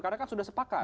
karena kan sudah sepakat